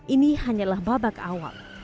ini hanyalah babak awal